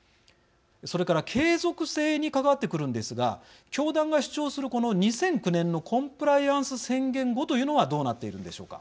それから継続性に関わってくるんですが教団が主張するこの２００９年のコンプライアンス宣言後というのははい。